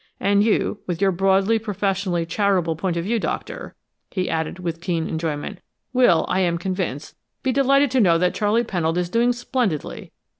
And you, with your broadly, professionally charitable point of view, Doctor," he added with keen enjoyment, "will, I am convinced, be delighted to know that Charley Pennold is doing splendidly.